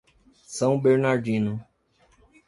São Bernardino